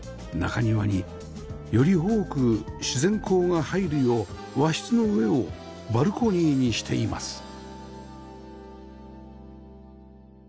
中庭により多く自然光が入るよう和室の上をバルコニーにしています